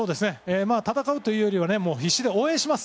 戦うというよりは必死で応援します。